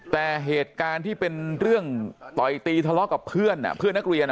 แต่เหตุการณ์ที่เป็นเรื่องต่อยตีทะเลาะกับเพื่อนเพื่อนนักเรียน